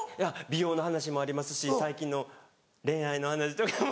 美容の話もありますし最近の恋愛の話とかも。